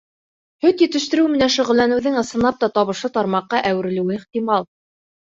Һөт етештереү менән шөғөлләнеүҙең ысынлап та табышлы тармаҡҡа әүерелеүе ихтимал.